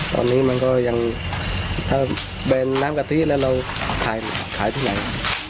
ตอนนี้มันก็ยังถ้าเป็นน้ำกะทิแล้วเราขายที่ไหน